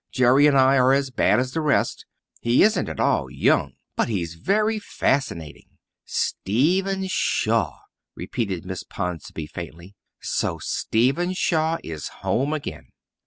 Jerry and I are as bad as the rest. He isn't at all young but he's very fascinating." "Stephen Shaw!" repeated Miss Ponsonby faintly. "So Stephen Shaw is home again!"